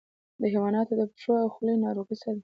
د حیواناتو د پښو او خولې ناروغي څه ده؟